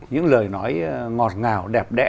những lời nói ngọt ngào đẹp đẽ